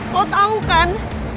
lo tau kan